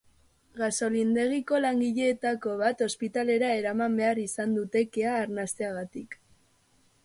Gasolindegiko langileetako bat ospitalera eraman behar izan dute kea arnasteagatik.